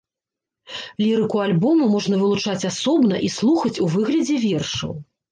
Лірыку альбома можна вылучаць асобна і слухаць у выглядзе вершаў.